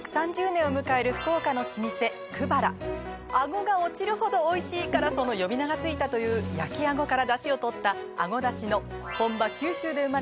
「あごが落ちるほど美味しい」からその呼び名がついたという焼きあごからだしを取ったあごだしの。